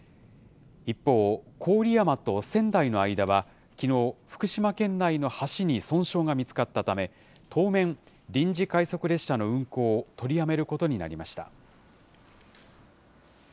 一方、郡山と仙台の間は、きのう、福島県内の橋に損傷が見つかったため、当面、臨時快速列車の運行を取りやめることになりました。